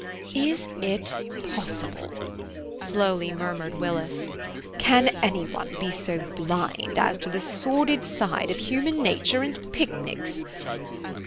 "Is it possible?" slowly murmured Willis, "can any one be so blind to the sordid side of human nature and picnics?